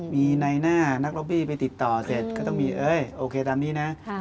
มีในหน้านักล็อบบี้ไปติดต่อเสร็จก็ต้องมีเอ้ยโอเคตามนี้นะ